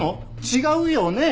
違うよね？